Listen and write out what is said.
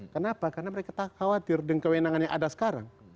kenapa karena mereka khawatir dengan kewenangan yang ada sekarang